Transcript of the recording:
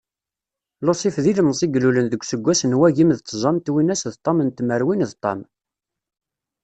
Lusif d ilemẓi i ilulen deg useggas n wagim d tẓa n twinas d ṭam n tmerwin d ṭam.